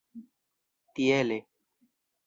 tiele